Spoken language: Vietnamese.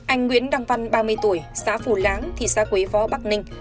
anh nguyễn đăng văn ba mươi tuổi xã phù láng thị xã quế võ bắc ninh